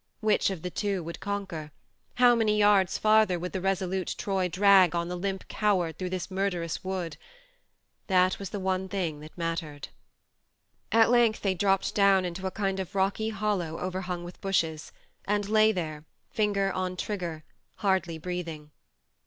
Which of the two would con THE MARNE 125 quer, how many yards farther would the resolute Troy drag on the limp coward through this murderous wood ? Thatwas theone thing that mattered. ... At length they dropped down into a kind of rocky hollow overhung with bushes, and lay there, finger on trigger, hardly breathing.